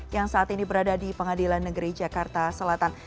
yang saat ini berada di pengadilan negeri jakarta selatan